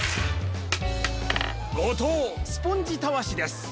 ５とうスポンジたわしです。